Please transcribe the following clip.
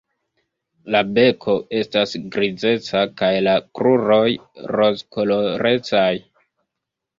La beko estas grizeca kaj la kruroj rozkolorecaj.